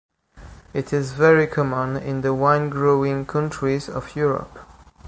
It is very common in the wine-growing countries of Europe.